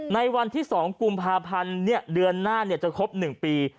ในวันที่๒กุมภาพันธ์เดือนหน้าจะครบ๑ปี